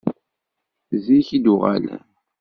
Zik i d-uɣalen.